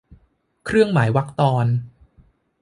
เครื่องหมายวรรคตอน